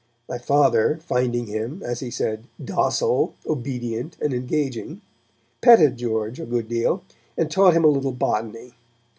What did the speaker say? My Father, finding him, as he said, 'docile, obedient and engaging', petted George a good deal, and taught him a little botany.